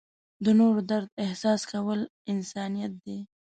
د نورو درد احساس کول انسانیت دی.